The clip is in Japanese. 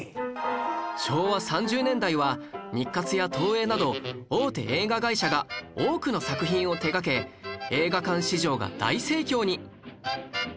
昭和３０年代は日活や東映など大手映画会社が多くの作品を手掛け映画館市場が大盛況に